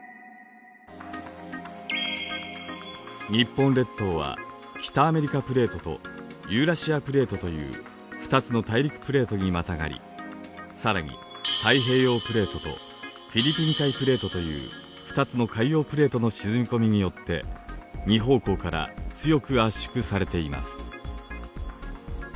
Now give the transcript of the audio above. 日本列島は北アメリカプレートとユーラシアプレートという２つの大陸プレートにまたがり更に太平洋プレートとフィリピン海プレートという２つの海洋プレートの沈み込みによって２方向から強く圧縮されています。